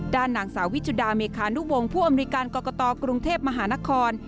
ด้านนางสาววิชุดาเมคานุวงศ์ผู้อำนวยการกรกตกรุงเทพมหานคร